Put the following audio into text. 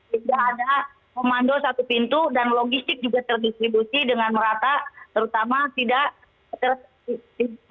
tidak ada komando satu pintu dan logistik juga terdistribusi dengan merata terutama tidak